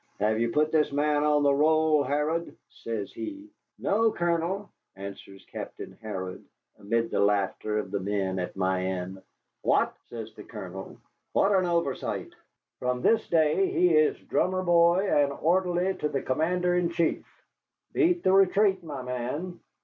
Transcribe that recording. "Have you put this man on the roll, Harrod?" says he. "No, Colonel," answers Captain Harrod, amid the laughter of the men at my end. "What!" says the Colonel, "what an oversight! From this day he is drummer boy and orderly to the Commander in chief. Beat the retreat, my man."